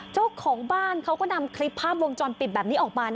เจ้าของบ้านเขาก็นำคลิปภาพวงจรปิดแบบนี้ออกมา